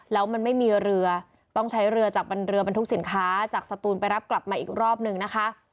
แล้วมันไม่มีเรือต้องใช้เรือจากบรรเรือบรรทุกสินค้าจากสตูนไปรับกลับมาอีกรอบหนึ่งนะคะ